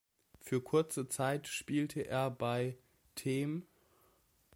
Für kurze Zeit spielte er bei Them.